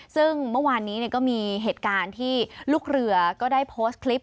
ซึ่งเมื่อวานนี้ก็มีเหตุการณ์ที่ลูกเรือก็ได้โพสต์คลิป